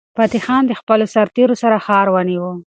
فتح خان د خپلو سرتیرو سره ښار ونیو.